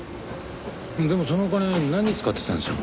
でもそのお金何に使ってたんでしょう？